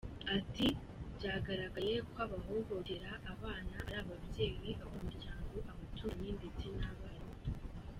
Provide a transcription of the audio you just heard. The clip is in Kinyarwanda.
Ati “Byagaragaye ko abahohotera abana ari ababyeyi, abo mu muryango, abaturanyi ndetse n’abarimu.